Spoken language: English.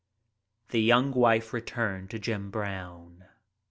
s _ The young wife returned to Jim Brown.